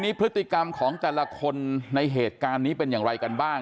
พฤติกรรมของแต่ละคนในเหตุการณ์นี้เป็นอย่างไรกันบ้าง